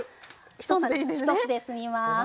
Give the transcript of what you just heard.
１つで済みます。